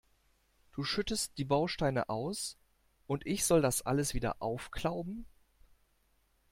Du schüttest die Bausteine aus, und ich soll das alles wieder aufklauben?